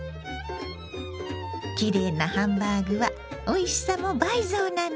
きれいなハンバーグはおいしさも倍増なの。